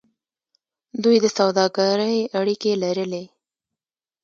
دوی د سوداګرۍ اړیکې لرلې.